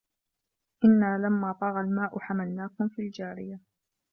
إِنّا لَمّا طَغَى الماءُ حَمَلناكُم فِي الجارِيَةِ